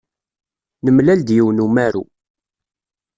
Nemlal-d yiwen umaru.